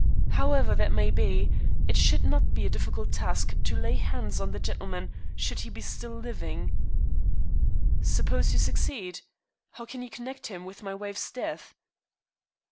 "However that may be, it should not be a difficult task to lay hands on the gentleman should he be still living." "Suppose you succeed. How can you connect him with my wife's death?"